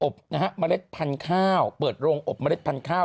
อบนะฮะมะเร็ดพันธุ์ข้าวเปิดโรงอบมะเร็ดพันธุ์ข้าว